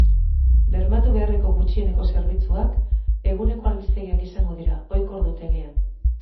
Bermatu beharreko gutxieneko zerbitzuak eguneko albistegiak izango dira, ohiko ordutegian.